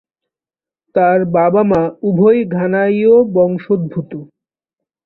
তার বাবা-মা উভয়েই ঘানায়ীয় বংশোদ্ভূত।